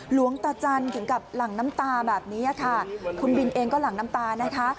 หลวงตาจันทร์ถึงกับหลั่งน้ำตาแบบนี้ค่ะคุณบินเองก็หลั่งน้ำตานะคะ